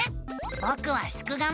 ぼくはすくがミ。